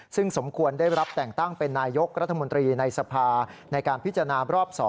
ซึ่งสมควรได้รับแต่งตั้งเป็นนายกรัฐมนตรีในสภาในการพิจารณารอบ๒